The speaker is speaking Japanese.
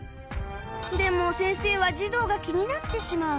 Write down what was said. でも先生は児童が気になってしまう